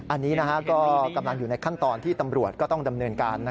อันนี้ก็กำลังอยู่ในขั้นตอนที่ตำรวจก็ต้องดำเนินการ